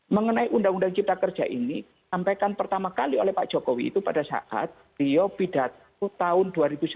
mengenai undang undang cipta kerja ini sampaikan pertama kali oleh pak jokowi itu pada saat beliau pidato tahun dua ribu sembilan belas